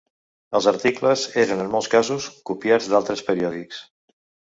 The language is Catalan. Els articles eren en molts casos, copiats d'altres periòdics.